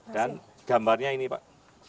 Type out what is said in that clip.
dan gambarnya ini pak